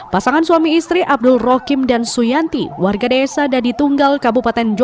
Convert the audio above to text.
pasangan suami istri abdul rohim dan suyanti warga desa dadi tunggal kabupaten jombang